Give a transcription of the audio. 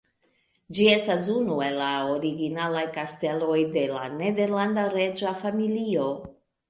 Ĝi estas unu el la originaj kasteloj de la nederlanda reĝa familio.